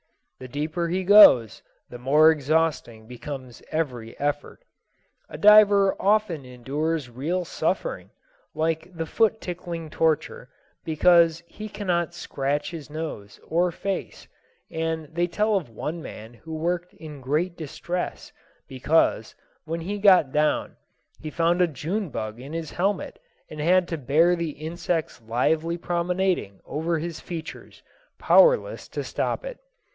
The deeper he goes the more exhausting becomes every effort. A diver often endures real suffering (like the foot tickling torture) because he cannot scratch his nose or face, and they tell of one man who worked in great distress because, when he got down, he found a June bug in his helmet, and had to bear the insect's lively promenading over his features, powerless to stop it.